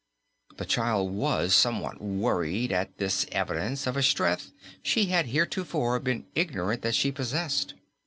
The child was somewhat worried at this evidence of a strength she had heretofore been ignorant that she possessed.